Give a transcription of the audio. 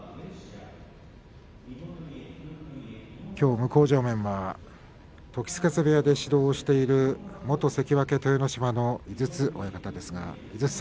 向正面は時津風部屋で指導している元関脇の豊ノ島の井筒親方です。